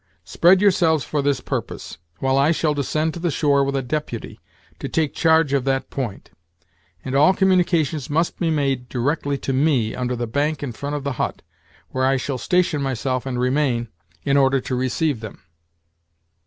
Spread yourselves for this purpose, while I shall descend to the shore with a deputy, to take charge of that point; and all communications must be made directly to me, under the bank in front of the hut, where I shall station myself and remain, in order to receive them."